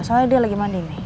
soalnya dia lagi mandi nih